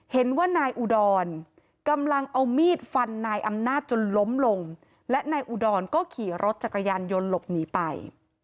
เห็นว่านายอุดรกำลังเอามีดฟันนายอำนาจจนล้มลงและนายอุดรก็ขี่รถจักรยานยนต์หลบหนีไป